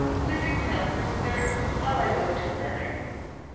Will you tell her, sir, while I go to Leonard?"